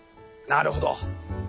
なるほど。